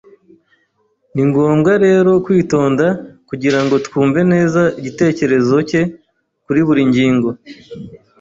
Ni ngombwa rero kwitonda kugira ngo twumve neza igitekerezo cye kuri buri ngingo.